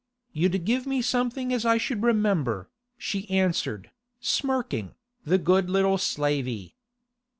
'You'd give me something as I should remember,' she answered, smirking, the good little slavey.